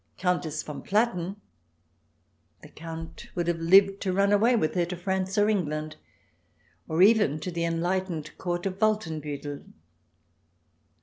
Countess von Platen, the Count would have lived to run away with her to France or England, or even to the enlightened Court of Wolfenbuttel.